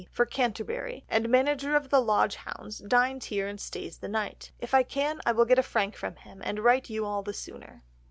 for Canterbury, and manager of the lodge hounds, dines here and stays the night. If I can, I will get a frank from him, and write to you all the sooner."